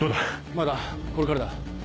まだこれからだ。